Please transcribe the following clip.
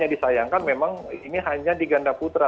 yang disayangkan memang ini hanya di ganda putra